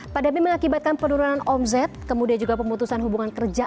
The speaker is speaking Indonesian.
pandemi mengakibatkan penurunan omzet kemudian juga pemutusan hubungan kerja